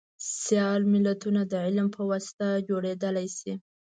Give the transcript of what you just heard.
سیال ملتونه دعلم په واسطه جوړیدلی شي